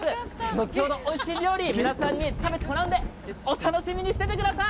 後ほどおいしい料理、皆さんに食べてもらうんで、お楽しみにしててください。